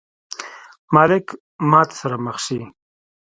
مالک ماتې سره مخ شي.